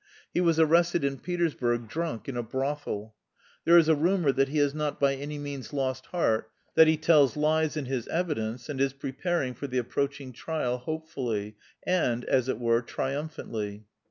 He was arrested in Petersburg drunk in a brothel. There is a rumour that he has not by any means lost heart, that he tells lies in his evidence and is preparing for the approaching trial hopefully (?) and, as it were, triumphantly.